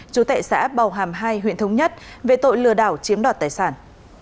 chú tệ xã bào hàm hai huyện thống nhất về tội lừa đảo chiếm đoạt tài sản